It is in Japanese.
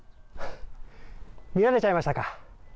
見られちゃいましたか。